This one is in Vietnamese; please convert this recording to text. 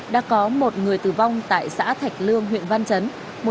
đã có một người tử vong tại xã thạch lương huyện văn chấn